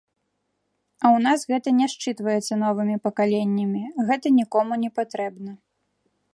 А ў нас гэта не счытваецца новымі пакаленнямі, гэта нікому не патрэбна.